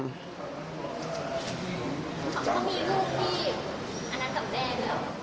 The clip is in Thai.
เขามีลูกที่อันนั้นเขาแจ้งหรือ